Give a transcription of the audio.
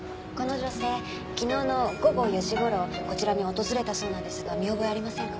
この女性昨日の午後４時頃こちらに訪れたそうなんですが見覚えありませんか？